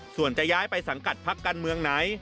ส่วนจะย้ายไปสังกัดพักการเมืองไหน